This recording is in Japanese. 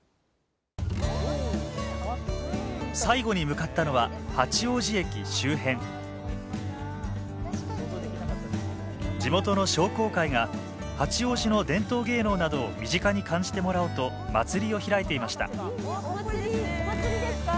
最後に向かったのは八王子駅周辺地元の商工会が八王子の伝統芸能などを身近に感じてもらおうと祭りを開いていましたお祭りですか？